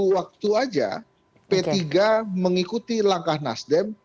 tunggu waktu saja p tiga mengikuti langkah nasdem